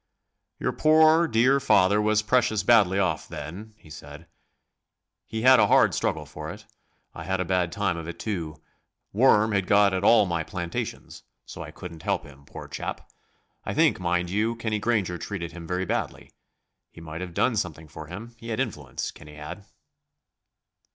"Your poor, dear father was precious badly off then," he said; "he had a hard struggle for it. I had a bad time of it too; worm had got at all my plantations, so I couldn't help him, poor chap. I think, mind you, Kenny Granger treated him very badly. He might have done something for him he had influence, Kenny had."